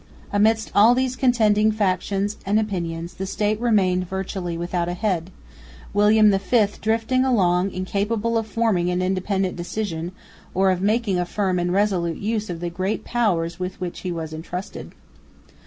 Amidst all these contending factions and opinions, the State remained virtually without a head, William V drifting along incapable of forming an independent decision, or of making a firm and resolute use of the great powers with which he was entrusted.